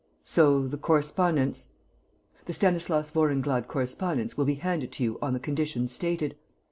"So the correspondence...." "The Stanislas Vorenglade correspondence will be handed to you on the conditions stated.